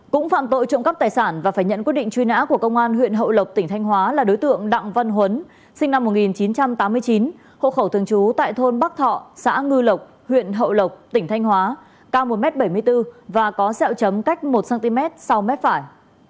cũng phạm tội trộm cắp tài sản và phải nhận quyết định truy nã của công an huyện hậu lộc tỉnh thanh hóa là đối tượng đặng văn huấn sinh năm một nghìn chín trăm tám mươi chín hộ khẩu thường trú tại thôn bắc thọ xã ngư lộc huyện hậu lộc tỉnh thanh hóa cao một m bảy mươi bốn và có sẹo chấm cách một cm sau mép phải